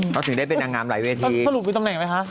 เขาถึงได้เป็นดังงามหลายเวที